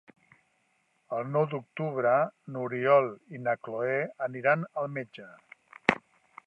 El nou d'octubre n'Oriol i na Cloè aniran al metge.